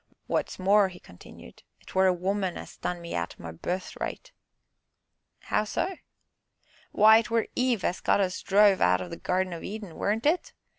"Wot's more," he continued, "'twere a woman as done me out o' my birthright." "How so?" "Why, 'twere Eve as got us druv out o' the Gardin o' Eden, weren't it?